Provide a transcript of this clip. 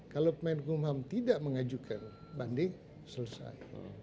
kalau menkumham tidak mengajukan banding selesai